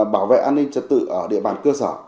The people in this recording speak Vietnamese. bảo vệ an ninh trật tự ở địa bàn cơ sở